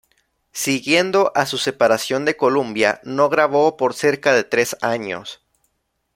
Siguiendo a su separación de Columbia, no grabó por cerca de tres años.